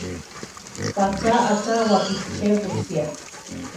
Patzá achá wakichébosia.